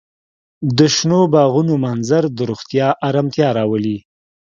د شنو باغونو منظر د روح ارامتیا راولي.